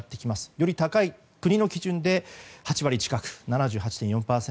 より高い国の基準で８割近く７８．４％。